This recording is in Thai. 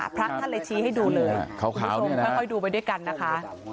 พระท่านเลยชี้ให้ดูเลยคุณผู้ชมค่อยดูไปด้วยกันนะคะ